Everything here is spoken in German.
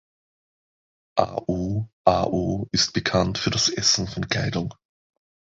Ao Ao ist bekannt für das Essen von Kleidung.